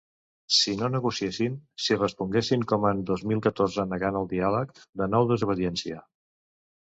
Si no negociessin, si responguessin com en dos mil catorze negant el diàleg, de nou desobediència.